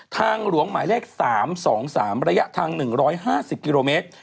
ทางหลวงหมายเลข๓๒๓ระยะทาง๑๕๐กิโลเมตร